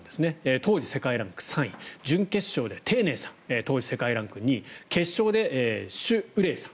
当時世界ランク３位準決勝でテイ・ネイ選手当時世界ランク２位決勝でシュ・ウレイさん